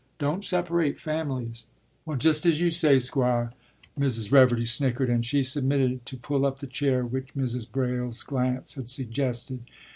Don't separate families!” “Well, just as you say, Squire,” Mrs. Reverdy snickered, and she submitted to pull up the chair which Mrs. Braile's glance had suggested.